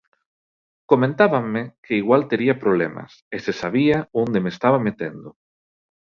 Comentábanme que igual tería problemas e se sabía onde me estaba metendo.